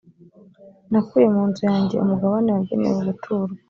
«nakuye mu nzu yanjye umugabane wagenewe guturwa,